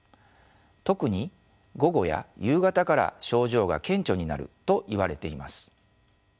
特に午後や夕方から症状が顕著になるといわれています。